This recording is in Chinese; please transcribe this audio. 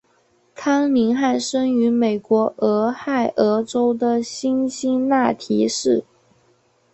康宁汉生于美国俄亥俄州的辛辛那提市。